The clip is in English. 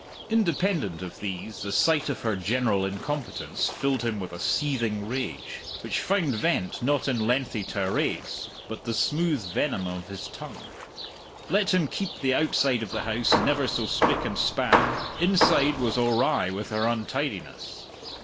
Independent of these, the sight of her general incompetence filled him with a seething rage, which found vent not in lengthy tirades but the smooth venom of his tongue. Let him keep the outside of the house never so spick and span, inside was awry with her untidiness.